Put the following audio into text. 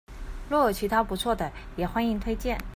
若有其他不錯的也歡迎推薦